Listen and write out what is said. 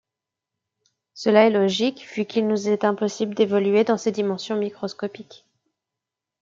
Cela est logique vu qu'il nous est impossible d'évoluer dans ces dimensions microscopiques.